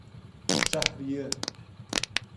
شهریه